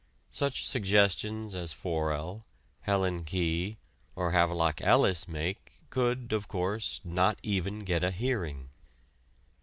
Such suggestions as Forel, Ellen Key, or Havelock Ellis make could, of course, not even get a hearing.